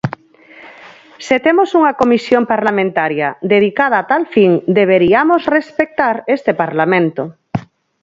Se temos unha comisión parlamentaria dedicada a tal fin, deberiamos respectar este Parlamento.